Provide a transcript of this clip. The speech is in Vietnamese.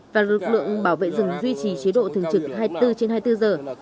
và lực lượng bảo vệ rừng duy trì chế độ thường trực hai mươi bốn trên hai mươi bốn giờ